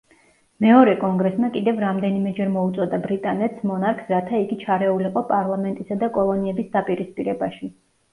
მეორე კონგრესმა კიდევ რამდენიმეჯერ მოუწოდა ბრიტანეთს მონარქს რათა იგი ჩარეულიყო პარლამენტისა და კოლონიების დაპირისპირებაში.